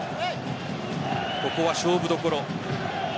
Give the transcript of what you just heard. ここは勝負どころ。